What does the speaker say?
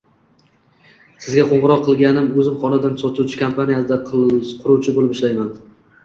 Sizga qoʻngʻiroq qilganim, oʻzim xonadon sotuvchi kompaniyada quruvchi boʻlib ishlayman.